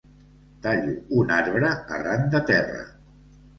Tallo un arbre arran de terra.